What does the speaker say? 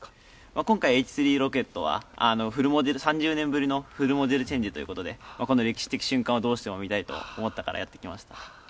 今回、Ｈ３ロケットは３０年ぶりのフルモデルチェンジということでこの歴史的瞬間をどうしても見たいからやってきました。